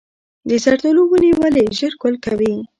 د زردالو ونې ولې ژر ګل کوي؟